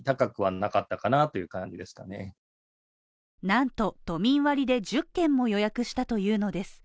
なんと都民割で１０件も予約したというのです。